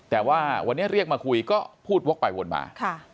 แต่ว่าวันนี้เรียกมาคุยก็พูดวกไปวนมา